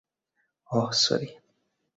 ওহ, sorry!